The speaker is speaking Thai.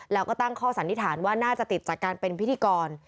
แล้วก็ตั้งข้อสันนิษฐานว่าน่าจะติดจากการเป็นพิธีกร